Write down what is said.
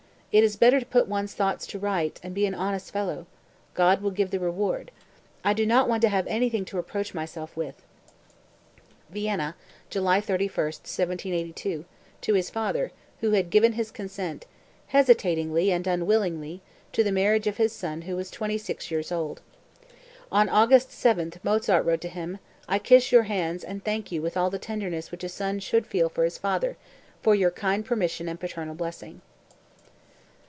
It is better to put one's things to rights and be an honest fellow! God will give the reward! I do not want to have anything to reproach myself with." (Vienna, July 31, 1782, to his father, who had given his consent, hesitatingly and unwillingly, to the marriage of his son who was twenty six years old. On August 7 Mozart wrote to him: "I kiss your hands and thank you with all the tenderness which a son should feel for his father, for your kind permission and paternal blessing.")